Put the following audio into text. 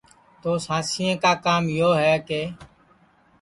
تو سانسیں کا کام یو ہے کہ